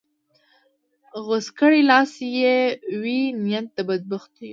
غوڅ کړې لاس چې یې وي نیت د بدبختیو